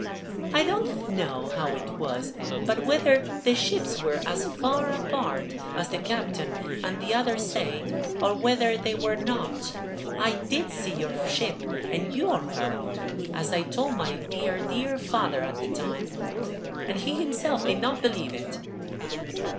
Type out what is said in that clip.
"I don't know how it was, but whether the ships were as far apart as the captain and the others say, or whether they were not, I did see your ship and you on her, as I told my dear, dear father at the time, and he himself did not believe it.